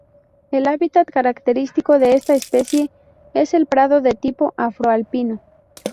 El hábitat característico de esta especie es el prado de tipo afro-alpino.